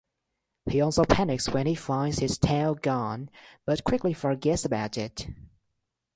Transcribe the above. He also panics when he finds his tail gone, but quickly forgets about it.